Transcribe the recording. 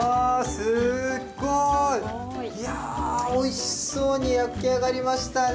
すごい！いやおいしそうに焼き上がりましたね。